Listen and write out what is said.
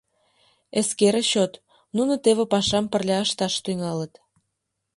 Эскере чот, нуно теве пашам пырля ышташ тӱҥалыт.